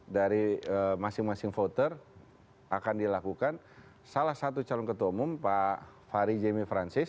dari masing masing voter akan dilakukan salah satu calon ketua umum pak fahri jemi francis